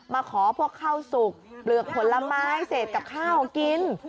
มาขอพวกข้าวสุกเปลือกผลไม้เศษกับข้าวกิน